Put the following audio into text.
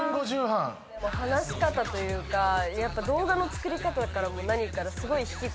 話し方というかやっぱ動画の作り方から何からすごい。